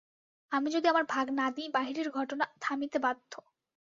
আমি যদি আমার ভাগ না দিই, বাহিরের ঘটনা থামিতে বাধ্য।